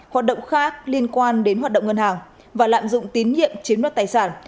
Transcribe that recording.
hoạt động khác liên quan đến hoạt động ngân hàng và lạm dụng tín nhiệm chiếm đoạt tài sản